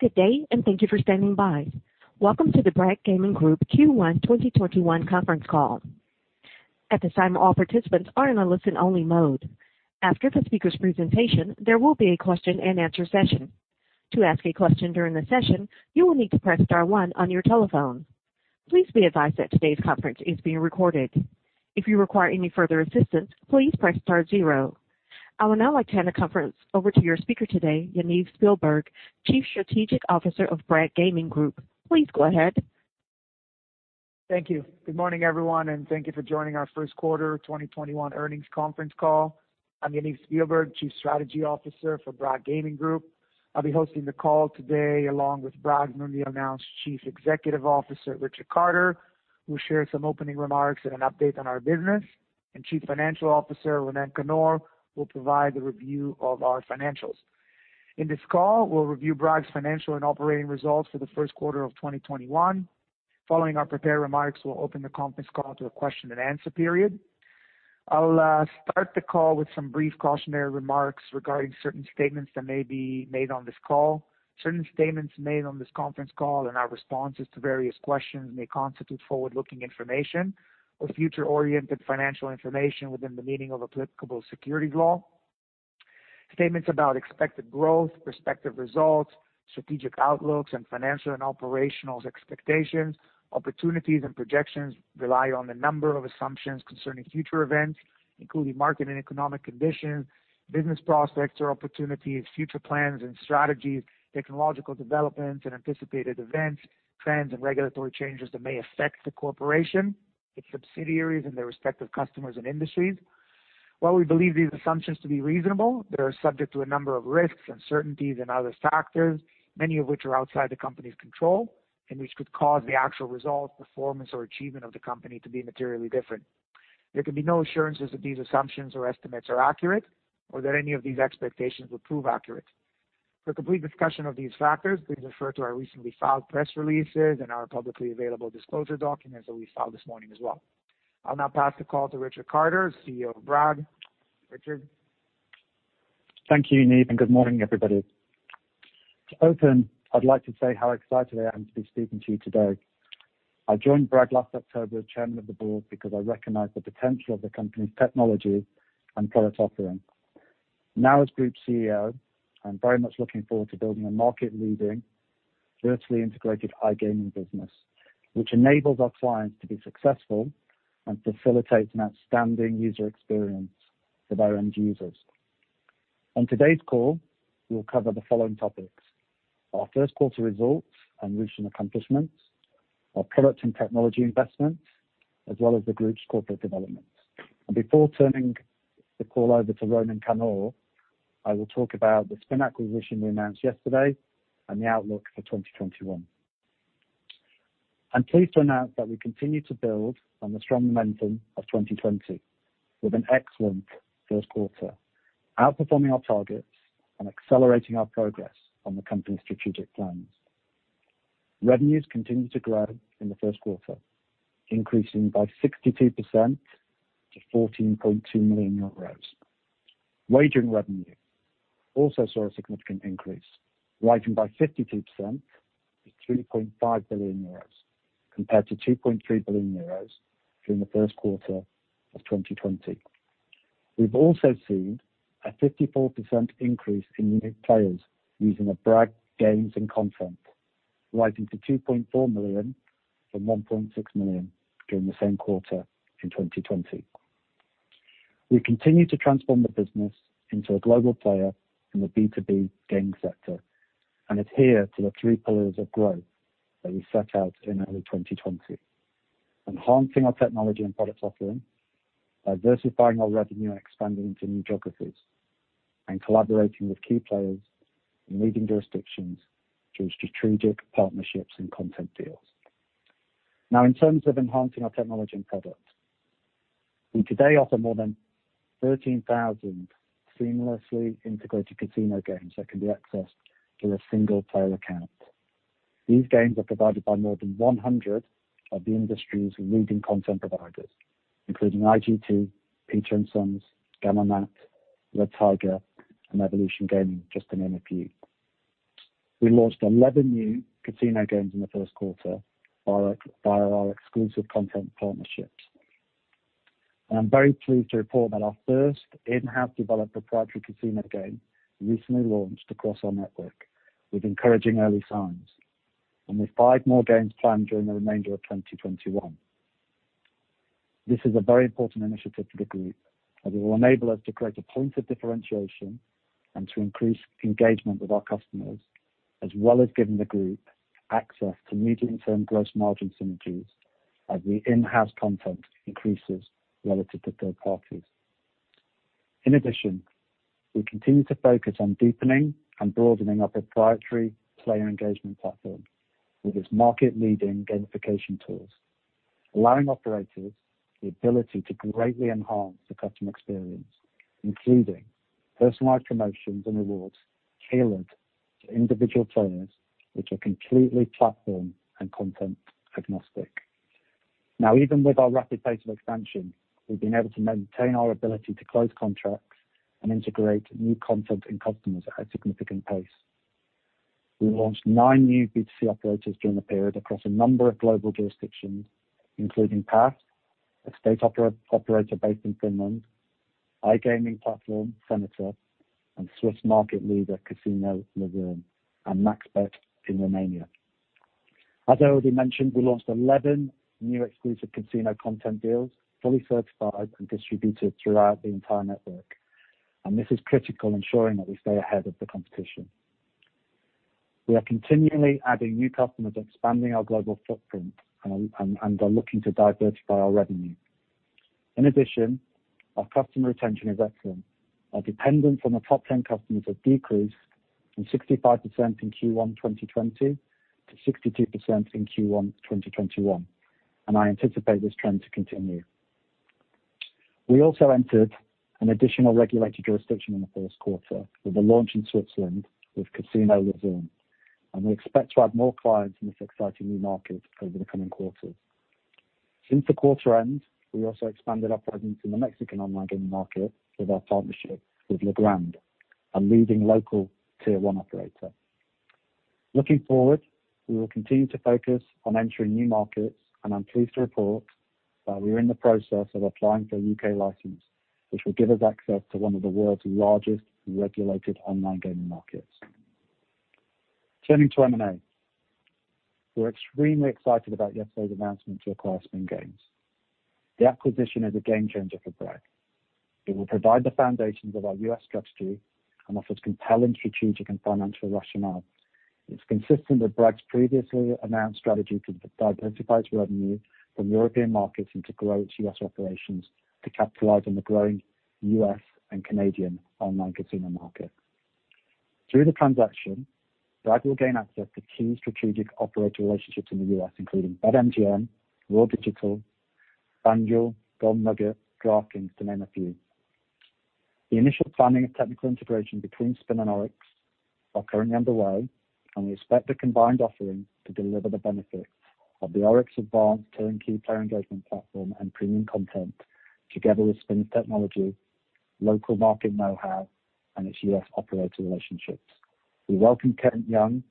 Good day, and thank you for standing by. Welcome to the Bragg Gaming Group Q1 2021 conference call. At this time, all participants are in a listen-only mode. After the speaker's presentation, there will be a question-and-answer session. To ask a question during the session, you will need to press star one on your telephone. Please be advised that today's conference is being recorded. If you require any further assistance, please press star zero. I will now hand the conference over to your speaker today, Yaniv Spielberg, Chief Strategy Officer of Bragg Gaming Group. Please go ahead. Thank you. Good morning, everyone, and thank you for joining our first quarter 2021 earnings conference call. I'm Yaniv Spielberg, Chief Strategy Officer for Bragg Gaming Group. I'll be hosting the call today along with Bragg's newly announced Chief Executive Officer, Richard Carter, who will share some opening remarks and an update on our business, and Chief Financial Officer, Ronen Kannor, will provide the review of our financials. In this call, we'll review Bragg's financial and operating results for the first quarter of 2021. Following our prepared remarks, we'll open the conference call to a question-and-answer period. I'll start the call with some brief cautionary remarks regarding certain statements that may be made on this call. Certain statements made on this conference call and our responses to various questions may constitute forward-looking information or future-oriented financial information within the meaning of applicable securities law. Statements about expected growth, prospective results, strategic outlooks, and financial and operational expectations, opportunities, and projections rely on the number of assumptions concerning future events, including market and economic conditions, business prospects or opportunities, future plans and strategies, technological developments, and anticipated events, trends, and regulatory changes that may affect the corporation, its subsidiaries, and their respective customers and industries. While we believe these assumptions to be reasonable, they are subject to a number of risks, uncertainties, and other factors, many of which are outside the company's control and which could cause the actual results, performance, or achievement of the company to be materially different. There can be no assurances that these assumptions or estimates are accurate, or that any of these expectations will prove accurate. For complete discussion of these factors, please refer to our recently filed press releases and our publicly available disclosure documents that we filed this morning as well. I'll now pass the call to Richard Carter, CEO of Bragg. Richard? Thank you, Yaniv. Good morning, everybody. To open, I'd like to say how excited I am to be speaking to you today. I joined Bragg last October as Chairman of the Board because I recognized the potential of the company's technology and product offering. Now as Group CEO, I'm very much looking forward to building a market-leading, vertically integrated iGaming business, which enables our clients to be successful and facilitates an outstanding user experience for our end users. On today's call, we will cover the following topics: our first quarter results and recent accomplishments, our product and technology investments, as well as the group's corporate developments. Before turning the call over to Ronen Kannor, I will talk about the Spin Games acquisition we announced yesterday and the outlook for 2021. I'm pleased to announce that we continue to build on the strong momentum of 2020 with an excellent first quarter, outperforming our targets and accelerating our progress on the company's strategic plans. Revenues continued to grow in the first quarter, increasing by 62% to 14.2 million euros. Wagering revenue also saw a significant increase, rising by 52% to 3.5 billion euros, compared to 2.3 billion euros during the first quarter of 2020. We've also seen a 54% increase in unique players using the Bragg Gaming Group content, rising to 2.4 million from 1.6 million during the same quarter in 2020. We continue to transform the business into a global player in the B2B gaming sector and adhere to the three pillars of growth that we set out in early 2020. Enhancing our technology and product offering, diversifying our revenue and expanding into new geographies, and collaborating with key players in leading jurisdictions through strategic partnerships and content deals. In terms of enhancing our technology and product, we today offer more than 13,000 seamlessly integrated casino games that can be accessed through a single player account. These games are provided by more than 100 of the industry's leading content providers, including 1x2 Gaming, Peter & Sons, Gamomat, Red Tiger, and Evolution Gaming, just to name a few. We launched 11 new casino games in the first quarter via our exclusive content partnerships. I'm very pleased to report that our first in-house developed proprietary casino game recently launched across our network with encouraging early signs, and with five more games planned during the remainder of 2021. This is a very important initiative for the group, as it will enable us to create a point of differentiation and to increase engagement with our customers, as well as giving the group access to medium-term gross margin synergies as the in-house content increases relative to third parties. In addition, we continue to focus on deepening and broadening our proprietary player engagement platform with its market-leading gamification tools, allowing operators the ability to greatly enhance the customer experience, including personalized promotions and rewards tailored to individual players, which are completely platform and content agnostic. Even with our rapid pace of expansion, we've been able to maintain our ability to close contracts and integrate new content and customers at a significant pace. We launched nine new B2C operators during the period across a number of global jurisdictions, including Paf, a state operator based in Finland, iGaming platform Senator, and Swiss market leader Casino Luzern, and Maxbet in Romania. As I already mentioned, we launched 11 new exclusive casino content deals, fully certified and distributed throughout the entire network. This is critical, ensuring that we stay ahead of the competition. We are continually adding new customers, expanding our global footprint, and are looking to diversify our revenue. In addition, our customer retention is excellent. Our dependence on the top 10 customers has decreased from 65% in Q1 2020 to 62% in Q1 2021, and I anticipate this trend to continue. We also entered an additional regulated jurisdiction in the first quarter with a launch in Switzerland with Casino Luzern. We expect to add more clients in this exciting new market over the coming quarters. Since the quarter end, we also expanded our presence in the Mexican iGaming market with our partnership with Logrand, a leading local tier 1 operator. Looking forward, we will continue to focus on entering new markets. I'm pleased to report that we are in the process of applying for a U.K. license, which will give us access to one of the world's largest regulated iGaming markets. Turning to M&A. We're extremely excited about yesterday's announcement to acquire Spin Games. The acquisition is a game-changer for Bragg. It will provide the foundations of our U.S. strategy and offers compelling strategic and financial rationale. It's consistent with Bragg's previously announced strategy to diversify its revenue from European markets and to grow its U.S. operations to capitalize on the growing U.S. and Canadian online casino markets. Through the transaction, Bragg will gain access to key strategic operator relationships in the U.S., including BetMGM, Roar Digital, FanDuel, Golden Nugget, DraftKings, to name a few. The initial planning of technical integration between Spin and Oryx are currently underway, and we expect the combined offering to deliver the benefit of the Oryx advanced turn-key player engagement platform and premium content, together with Spin technology, local market know-how, and its U.S. operator relationships. We welcome Kent Young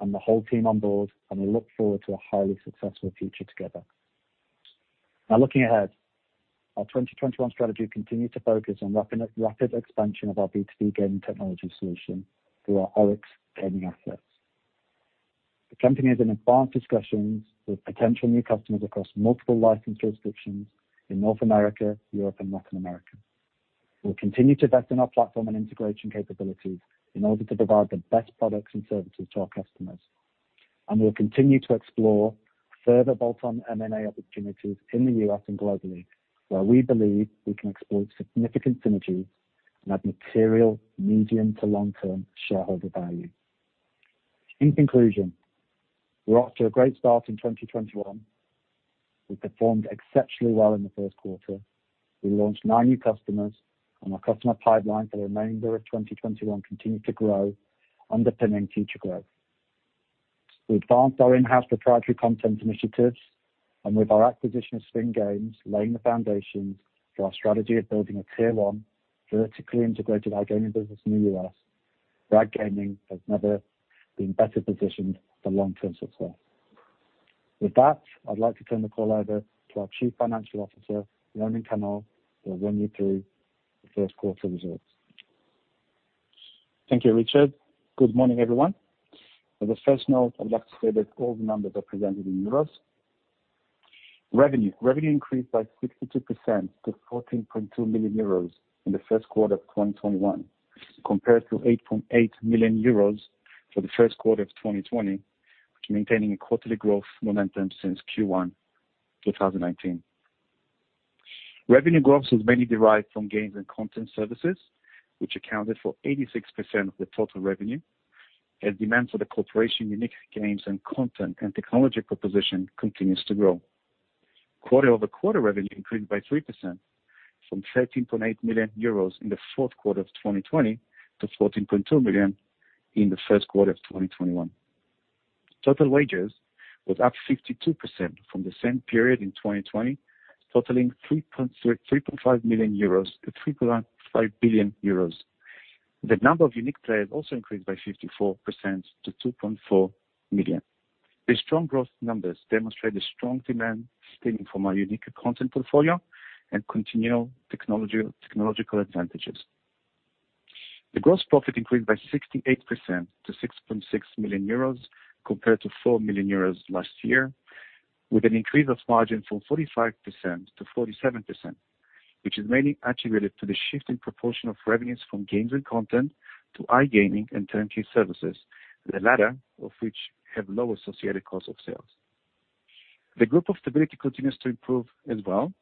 and the whole team on board, and we look forward to a highly successful future together. Now looking ahead, our 2021 strategy will continue to focus on rapid expansion of our B2B gaming technology solution through our Oryx Gaming assets. The company is in advanced discussions with potential new customers across multiple licensed jurisdictions in North America, Europe, and Latin America. We'll continue to invest in our platform and integration capabilities in order to provide the best products and services to our customers. We'll continue to explore further bolt-on M&A opportunities in the U.S. and globally, where we believe we can exploit significant synergies and add material medium to long-term shareholder value. In conclusion, we're off to a great start in 2021. We performed exceptionally well in the first quarter. We launched nine new customers, and our customer pipeline for the remainder of 2021 continued to grow, underpinning future growth. We advanced our in-house proprietary content initiatives, and with our acquisition of Spin Games, laying the foundations for our strategy of building a tier 1 vertically integrated iGaming business in the U.S., Bragg Gaming has never been better positioned for long-term success. With that, I'd like to turn the call over to our Chief Financial Officer, Ronen Kannor, who will run you through the first quarter results. Thank you, Richard. Good morning, everyone. As a first note, I'd like to say that all the numbers are presented in euros. Revenue. Revenue increased by 62% to 14.2 million euros in the first quarter of 2021, compared to 8.8 million euros for the first quarter of 2020, maintaining a quarterly growth momentum since Q1 2019. Revenue growth was mainly derived from gains in content services, which accounted for 86% of the total revenue, as demand for the corporation's unique games and content and technology proposition continues to grow. Quarter-over-quarter revenue increased by 3% from 13.8 million euros in the fourth quarter of 2020 to 14.2 million in the first quarter of 2021. Total wagers was up 52% from the same period in 2020, totaling 3.5 billion euros. The number of unique players also increased by 54% to 2.4 million. These strong growth numbers demonstrate the strong demand stemming from our unique content portfolio and continual technological advantages. The gross profit increased by 68% to 6.6 million euros, compared to 4 million euros last year, with an increase of margin from 45%-47%, which is mainly attributed to the shift in proportion of revenues from games and content to iGaming and turn-key services, the latter of which have low associated cost of sales. The group profitability continues to improve as well.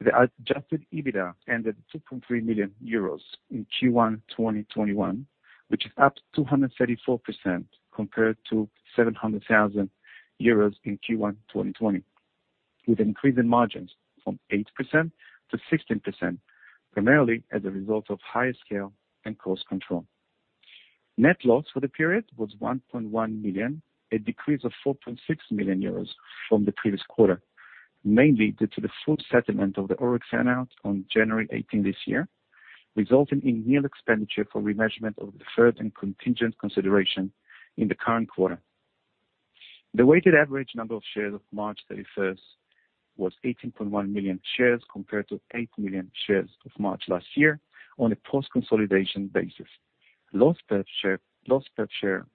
The adjusted EBITDA ended at 2.3 million euros in Q1 2021, which is up 234% compared to 700,000 euros in Q1 2020, with increasing margins from 8%-16%, primarily as a result of higher scale and cost control. Net loss for the period was 1.1 million, a decrease of 4.6 million euros from the previous quarter, mainly due to the full settlement of the Oryx earn-out on January 18 this year, resulting in nil expenditure for remeasurement of deferred and contingent consideration in the current quarter. The weighted average number of shares of March 31st was 18.1 million shares compared to eight million shares of March last year on a post-consolidation basis. Loss per share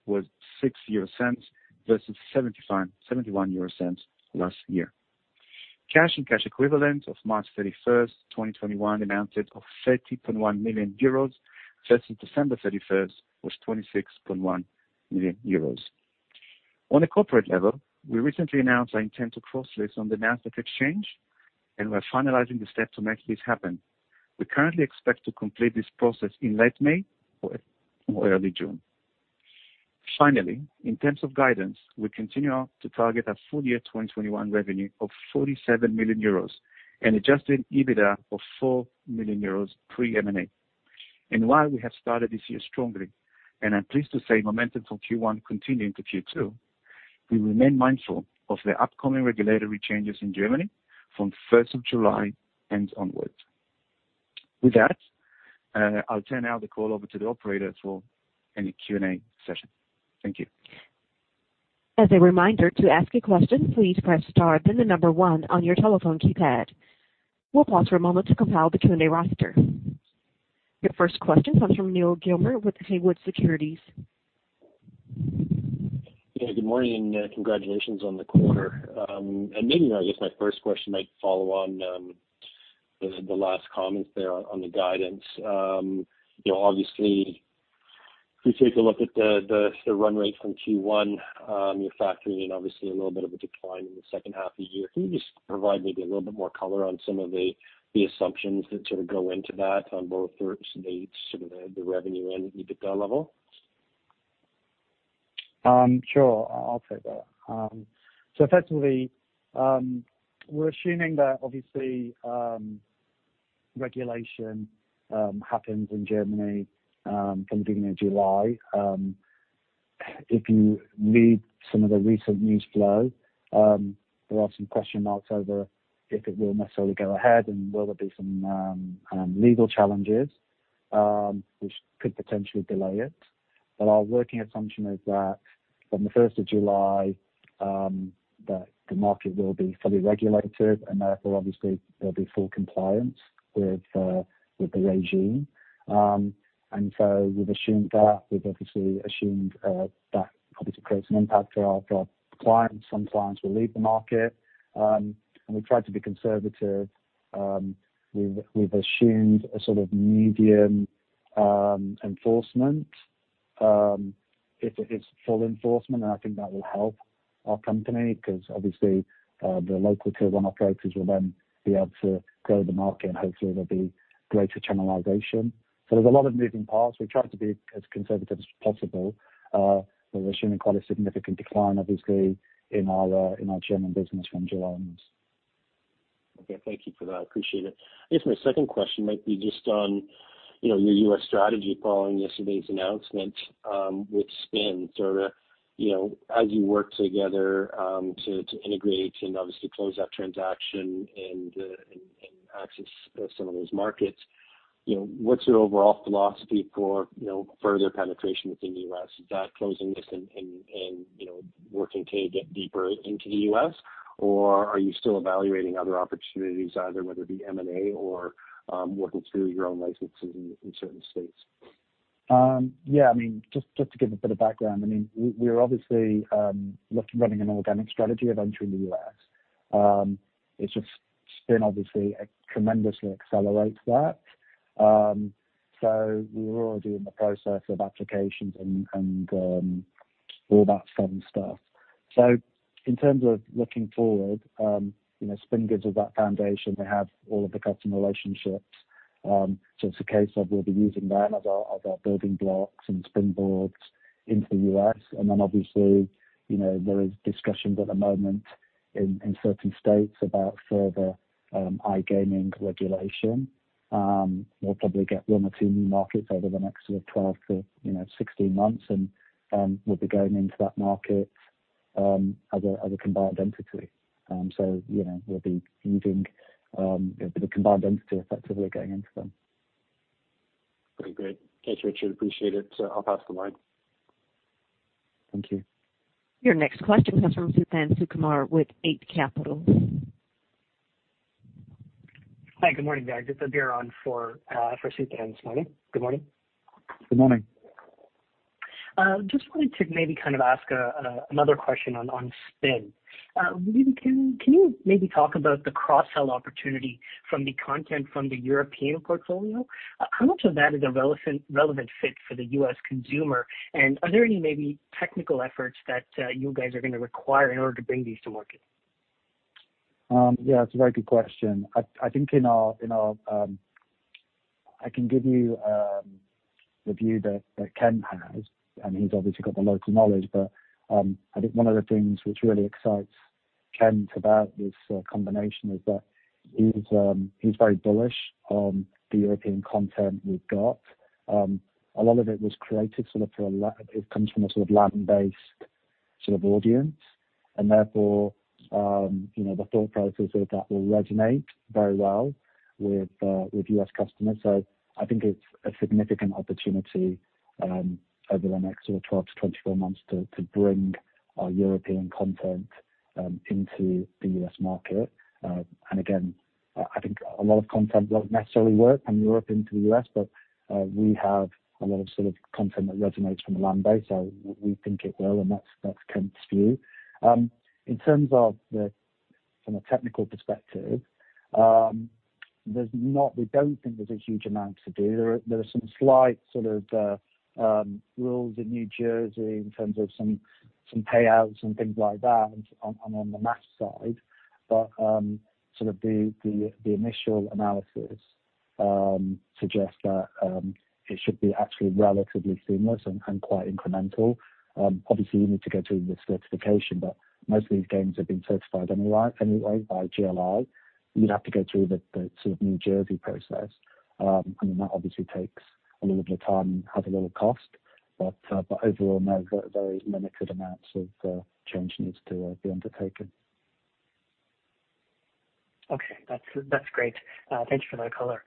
was 0.06 versus 0.71 last year. Cash and cash equivalents of March 31st, 2021 amounted of 30.1 million euros versus December 31st was 26.1 million euros. On a corporate level, we recently announced our intent to cross list on the Nasdaq, we're finalizing the steps to make this happen. We currently expect to complete this process in late May or early June. Finally, in terms of guidance, we continue to target our full year 2021 revenue of 47 million euros and adjusted EBITDA of 4 million euros pre-M&A. While we have started this year strongly, I'm pleased to say momentum from Q1 continuing to Q2, we remain mindful of the upcoming regulatory changes in Germany from 1st of July and onwards. With that, I'll turn now the call over to the operator for any Q&A session. Thank you. As a reminder, to ask a question, please press star then the number one on your telephone keypad. We'll pause for a moment to compile the Q&A roster. Your first question comes from Neal Gilmer with Haywood Securities. Yeah. Good morning, and congratulations on the quarter. Maybe, I guess my first question might follow on the last comments there on the guidance. Obviously, if you take a look at the run rate from Q1, you're factoring in obviously a little bit of a decline in the second half of the year. Can you just provide maybe a little bit more color on some of the assumptions that sort of go into that on both the revenue and EBITDA level? Sure. I'll take that. Effectively, we're assuming that obviously, regulation happens in Germany from the beginning of July. If you read some of the recent news flow, there are some question marks over if it will necessarily go ahead and will there be some legal challenges, which could potentially delay it. Our working assumption is that from the 1st of July, that the market will be fully regulated and therefore, obviously there'll be full compliance with the regime. We've assumed that. We've obviously assumed that probably to create some impact for our clients, some clients will leave the market. We've tried to be conservative. We've assumed a sort of medium enforcement. If it is full enforcement, I think that will help our company because obviously the locality of our operators will then be able to grow the market and hopefully there'll be greater channelization. There's a lot of moving parts. We've tried to be as conservative as possible. We're assuming quite a significant decline, obviously in our German business from July onwards. Okay. Thank you for that. I appreciate it. I guess my second question might be just on your U.S. strategy following yesterday's announcement with Spin. Sort of as you work together to integrate and obviously close that transaction and access some of those markets, what's your overall philosophy for further penetration within U.S.? Is that closing this and working to get deeper into the U.S., or are you still evaluating other opportunities, either whether it be M&A or working through your own licenses in certain states? Just to give a bit of background. We're obviously looking, running an organic strategy of entering the U.S. It's just Spin obviously tremendously accelerates that. We were already in the process of applications and all that fun stuff. In terms of looking forward, Spin gives us that foundation. They have all of the customer relationships. It's a case of we'll be using them as our building blocks and springboards into the U.S. Obviously, there is discussions at the moment in certain states about further iGaming regulation. We'll probably get one or two new markets over the next 12-16 months, and we'll be going into that market as a combined entity. We'll be using the combined entity effectively going into them. Okay, great. Thanks, Richard. Appreciate it. I'll pass the line. Thank you. Your next question comes from Suthan Sukumar with Eight Capital. Hi, good morning, Bragg. This is Abhiram for Suthan this morning. Good morning. Good morning. Just wanted to maybe kind of ask another question on Spin. Maybe can you maybe talk about the cross-sell opportunity from the content from the European portfolio? How much of that is a relevant fit for the U.S. consumer, and are there any maybe technical efforts that you guys are going to require in order to bring these to market? Yeah, it's a very good question. I can give you the view that Kent Young has, and he's obviously got the local knowledge, but I think one of the things which really excites. Kent about this combination is that he's very bullish on the European content we've got. It comes from a land-based audience and therefore, the thought process of that will resonate very well with U.S. customers. I think it's a significant opportunity over the next 12-24 months to bring our European content into the U.S. market. Again, I think a lot of content won't necessarily work from Europe into the U.S., but we have a lot of content that resonates from the land base, so we think it will, and that's Kent's view. In terms of from a technical perspective, we don't think there's a huge amount to do. There are some slight rules in New Jersey in terms of some payouts and things like that on the math side. The initial analysis suggests that it should be actually relatively seamless and quite incremental. Obviously, you need to go through the certification, but most of these games have been certified anyway by GLI. You'd have to go through the New Jersey process, and that obviously takes a little bit of time and has a little cost. Overall, no, very limited amounts of change needs to be undertaken. Okay. That's great. Thanks for that color.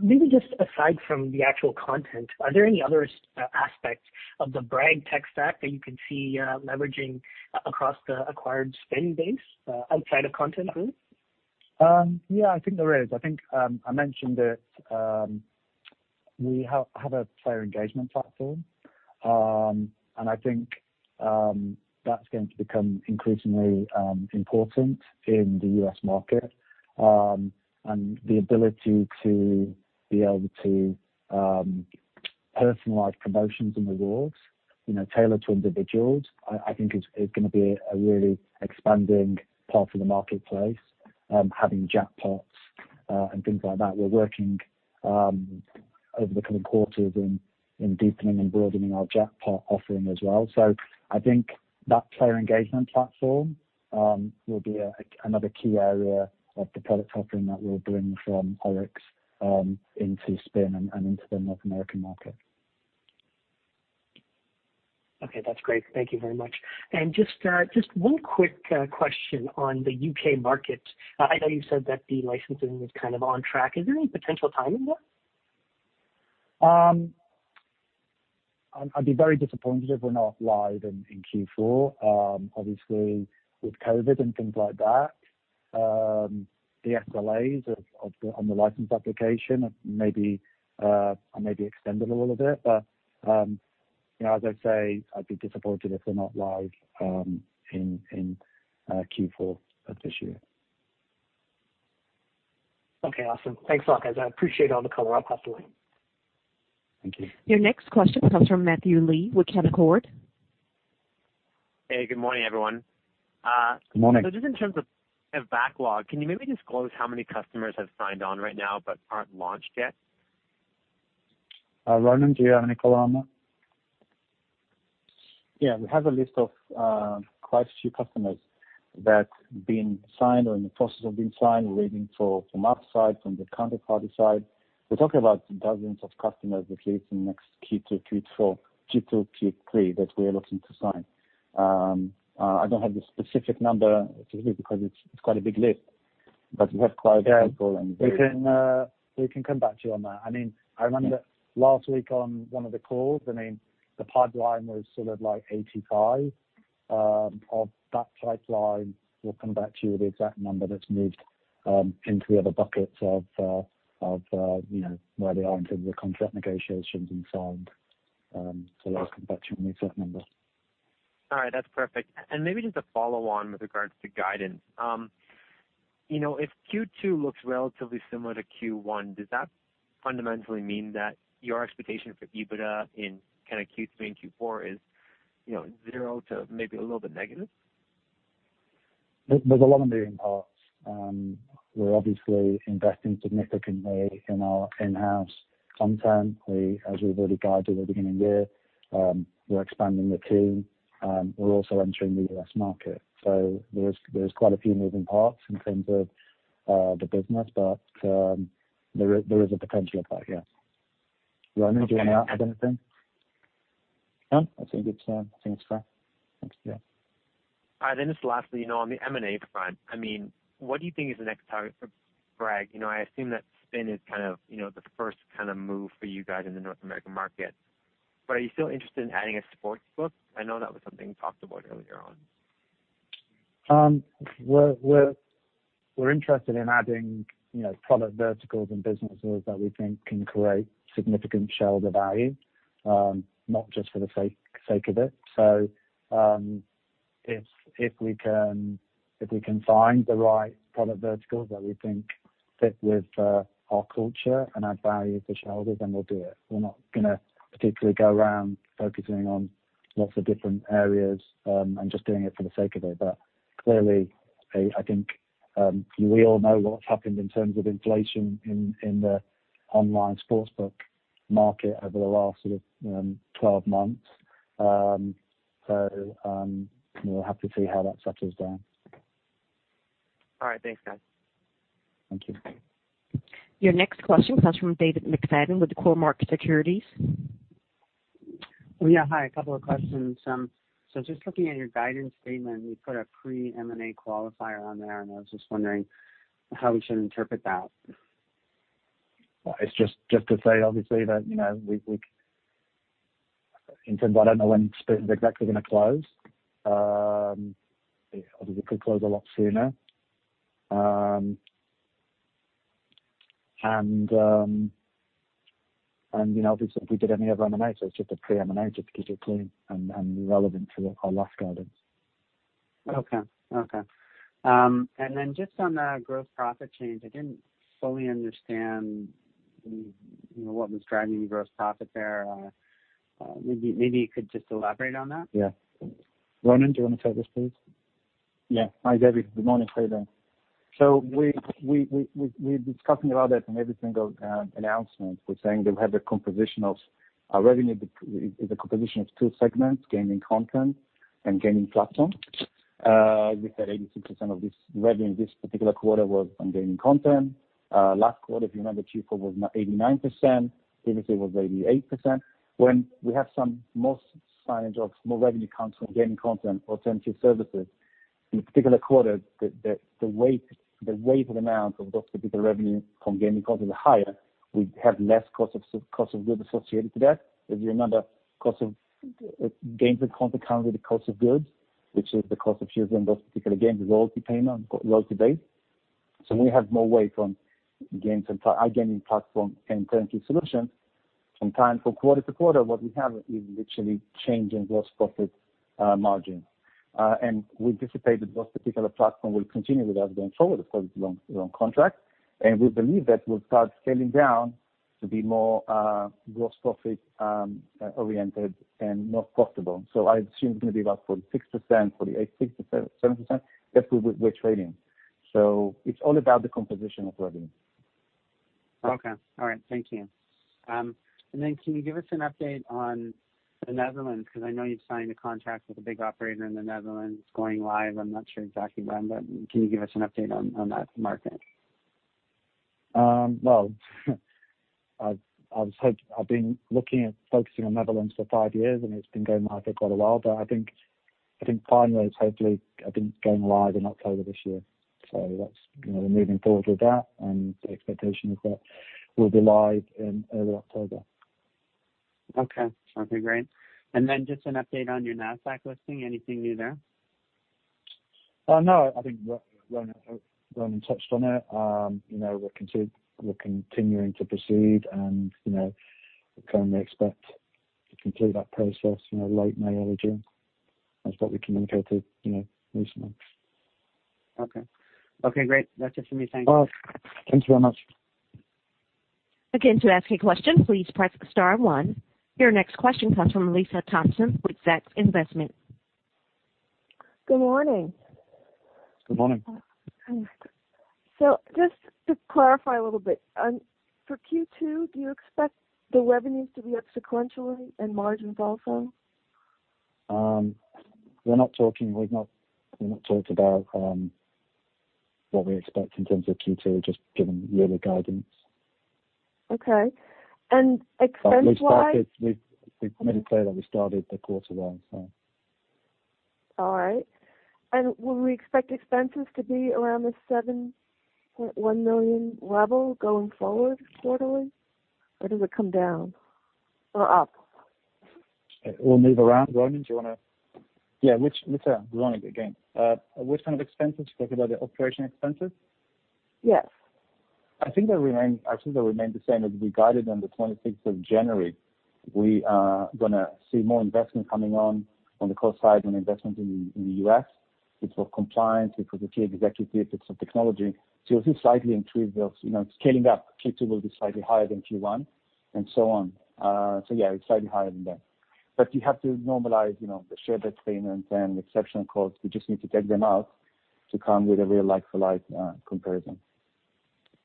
Maybe just aside from the actual content, are there any other aspects of the Bragg tech stack that you can see leveraging across the acquired Spin Games base outside of content, really? Yeah, I think there is. I think I mentioned it. We have a player engagement platform, and I think that's going to become increasingly important in the U.S. market. The ability to be able to personalize promotions and rewards tailored to individuals, I think is going to be a really expanding part of the marketplace, having jackpots and things like that. We're working over the coming quarters in deepening and broadening our jackpot offering as well. I think that player engagement platform will be another key area of the product offering that we'll bring from Oryx into Spin and into the North American market. Okay, that's great. Thank you very much. Just one quick question on the U.K. market. I know you said that the licensing was kind of on track. Is there any potential timing there? I'd be very disappointed if we're not live in Q4. Obviously, with COVID and things like that, the SLAs on the license application are maybe extended a little bit. As I say, I'd be disappointed if we're not live in Q4 of this year. Okay, awesome. Thanks a lot, guys. I appreciate all the color. I'll pass the line. Thank you. Your next question comes from Matthew Lee with Canaccord. Hey, good morning, everyone. Good morning. Just in terms of backlog, can you maybe disclose how many customers have signed on right now but aren't launched yet? Ronen, do you have any color on that? Yeah. We have a list of quite a few customers that have been signed or in the process of being signed. We're waiting for from our side, from the counterparty side. We're talking about dozens of customers, at least in next Q2, Q3, Q4, Q2, Q3 that we are looking to sign. I don't have the specific number to give you because it's quite a big list. We have quite a few people. We can come back to you on that. I remember last week on one of the calls, the pipeline was sort of like 85. Of that pipeline, we'll come back to you with the exact number that's moved into the other buckets of where they are in terms of contract negotiations and signed. We'll have to come back to you on the exact number. All right. That's perfect. Maybe just a follow-on with regards to guidance. If Q2 looks relatively similar to Q1, does that fundamentally mean that your expectation for EBITDA in Q3 and Q4 is zero to maybe a little bit negative? There's a lot of moving parts. We're obviously investing significantly in our in-house content. As we've already guided at the beginning of the year, we're expanding the team. We're also entering the U.S. market. There's quite a few moving parts in terms of the business, but there is a potential of that, yeah. Ronan, do you want to add anything? No? That's all good. I think it's fine. Thanks. Yeah. All right. Just lastly, on the M&A front, what do you think is the next target for Bragg? I assume that Spin Games is kind of the first move for you guys in the North American market. Are you still interested in adding a sportsbook? I know that was something talked about earlier on. We're interested in adding product verticals and businesses that we think can create significant shareholder value, not just for the sake of it. If we can find the right product verticals that we think fit with our culture and add value for shareholders, then we'll do it. We're not going to particularly go around focusing on lots of different areas and just doing it for the sake of it. Clearly, I think we all know what's happened in terms of inflation in the online sportsbook market over the last 12 months. We're happy to see how that settles down. All right. Thanks, guys. Thank you. Your next question comes from David McFadgen with Cormark Securities. Yeah. Hi. A couple of questions. Just looking at your guidance statement, you put a pre-M&A qualifier on there, and I was just wondering how we should interpret that. Well, it is just to say, obviously, that in terms of, I don't know when Spin is exactly going to close. Obviously, it could close a lot sooner. Obviously, if we did any other M&A, it is just a pre-M&A just to keep it clean and relevant to our last guidance. Okay. Just on the gross profit change, I didn't fully understand what was driving gross profit there. Maybe you could just elaborate on that. Yeah. Ronen, do you want to take this, please? Hi, David. Good morning. How you doing? We're discussing about that in every single announcement. We're saying that our revenue is a composition of two segments, gaming content and gaming platform. We said 86% of this revenue in this particular quarter was on gaming content. Last quarter, if you remember, Q4 was 89%, Q3 was 88%. When we have some more signage of more revenue comes from gaming content or turnkey services. In a particular quarter, the weighted amount of those particular revenue from gaming content is higher. We have less cost of goods associated to that. If you remember, games content comes with a cost of goods, which is the cost of choosing those particular games, the royalty payment, royalty base. When we have more weight from our gaming platform and turnkey solutions from time, from quarter to quarter, what we have is literally change in gross profit margin. We anticipate that those particular platform will continue with us going forward because it's long contract. We believe that we'll start scaling down to be more gross profit-oriented and more profitable. I assume it's going to be about 46%, 48%, 47%, that's where we're trading. It's all about the composition of revenue. Okay. All right. Thank you. Can you give us an update on the Netherlands? Because I know you've signed a contract with a big operator in the Netherlands. It's going live, I'm not sure exactly when, but can you give us an update on that market? I've been looking at focusing on Netherlands for five years, and it's been going on for quite a while. I think finally, it's hopefully, I think it's going live in October this year. We're moving forward with that, and the expectation is that we'll be live in early October. Okay. Sounds okay, great. Just an update on your Nasdaq listing. Anything new there? No, I think Ronan touched on it. We're continuing to proceed, and we currently expect to complete that process late May, early June. That's what we communicated recently. Okay. Okay, great. That's it for me. Thank you. Thanks very much. Again, to ask a question, please press star one. Your next question comes from Lisa Thompson with Zacks Investment. Good morning. Good morning. Just to clarify a little bit, for Q2, do you expect the revenues to be up sequentially and margins also? We've not talked about what we expect in terms of Q2, just given yearly guidance. Okay. expense-wise- We've made it clear that we started the quarter well. All right. Will we expect expenses to be around the 7.1 million level going forward quarterly, or does it come down or up? We'll move around. Ronan, do you want to? Yeah. Lisa, Ronan again. Which kind of expenses? You're talking about the operation expenses? Yes. I think they'll remain the same as we guided on the 26th of January. We are going to see more investment coming on the cost side, more investment in the U.S. It's for compliance, it's for the key executives, it's for technology. You'll see a slightly increase of scaling up. Q2 will be slightly higher than Q1 and so on. Yeah, slightly higher than that. You have to normalize the share-based payments and exceptional costs. We just need to take them out to come with a real like-for-like comparison.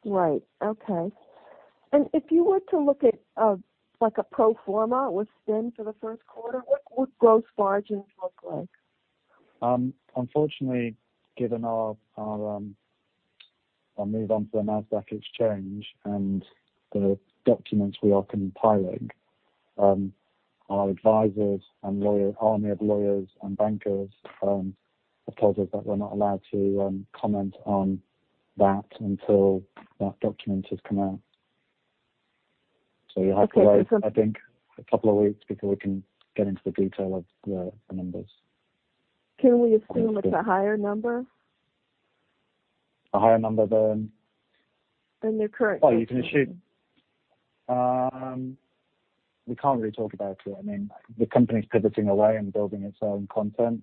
Right. Okay. If you were to look at a pro forma with Spin for the first quarter, what would gross margins look like? Unfortunately, given our move on to the Nasdaq exchange and the documents we are compiling, our advisors and army of lawyers and bankers have told us that we're not allowed to comment on that until that document has come out. Okay. You'll have to wait, I think, a couple of weeks before we can get into the detail of the numbers. Can we assume it's a higher number? A higher number than? Than your current- You can assume. We can't really talk about it. I mean, the company's pivoting away and building its own content.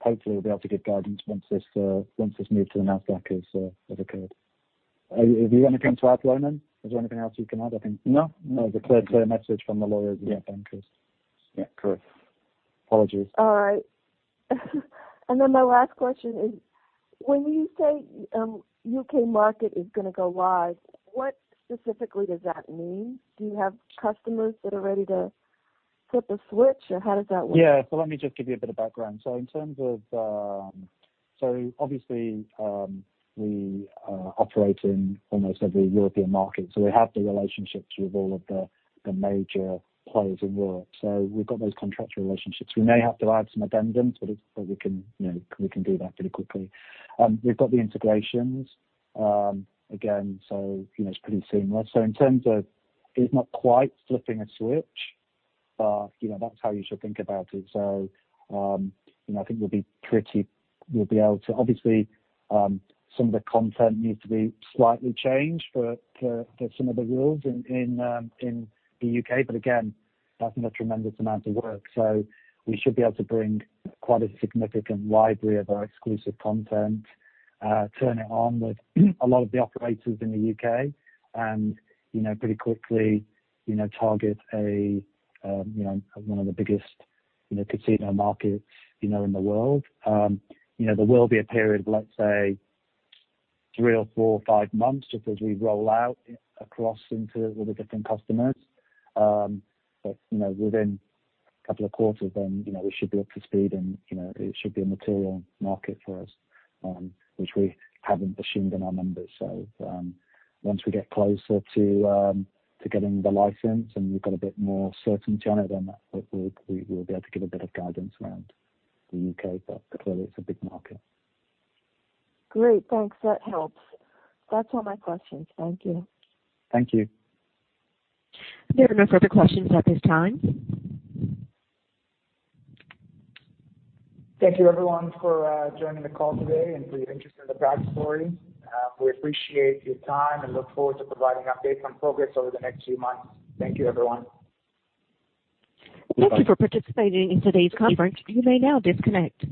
Hopefully we'll be able to give guidance once this move to the Nasdaq has occurred. Have you anything to add, Ronen? Is there anything else you can add? No. It's a clear message from the lawyers and the bankers. Yeah. Correct. Apologies. All right. My last question is, when you say U.K. market is going to go live, what specifically does that mean? Do you have customers that are ready to flip a switch, or how does that work? Yeah. Let me just give you a bit of background. Obviously, we operate in almost every European market, so we have the relationships with all of the major players in Europe. We've got those contractual relationships. We may have to add some addendums, but we can do that pretty quickly. We've got the integrations, again, so it's pretty seamless. In terms of it's not quite flipping a switch, but that's how you should think about it. Obviously, some of the content needs to be slightly changed for some of the rules in the U.K., but again, that's not a tremendous amount of work. We should be able to bring quite a significant library of our exclusive content, turn it on with a lot of the operators in the U.K., and pretty quickly target one of the biggest casino markets in the world. There will be a period of, let's say, three or four or five months, just as we roll out across into all the different customers. Within a couple of quarters then we should be up to speed, and it should be a material market for us, which we haven't assumed in our numbers. Once we get closer to getting the license and we've got a bit more certainty on it, then we'll be able to give a bit of guidance around the U.K. Clearly, it's a big market. Great. Thanks. That helps. That's all my questions. Thank you. Thank you. There are no further questions at this time. Thank you everyone for joining the call today and for your interest in the Bragg story. We appreciate your time and look forward to providing updates on progress over the next few months. Thank you, everyone. Thank you. Thank you for participating in today's conference. You may now disconnect.